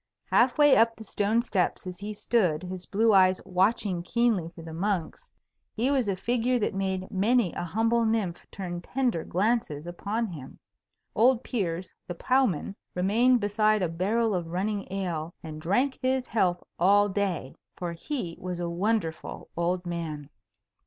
Half way up the stone steps as he stood, his blue eyes watching keenly for the monks, he was a figure that made many a humble nymph turn tender glances upon him. Old Piers, the ploughman, remained beside a barrel of running ale and drank his health all day. For he was a wonderful old man.